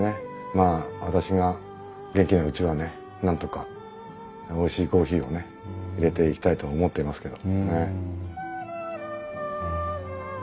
まあ私が元気なうちはねなんとかおいしいコーヒーをねいれていきたいと思ってますけど。